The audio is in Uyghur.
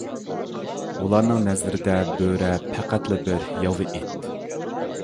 ئۇلارنىڭ نەزىرىدە بۆرە پەقەتلا بىر ياۋا ئىت.